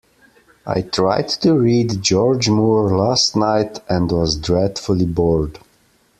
I tried to read George Moore last night, and was dreadfully bored.